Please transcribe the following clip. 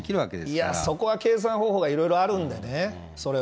いやそこは、計算方法はいろいろあるんでね、それは。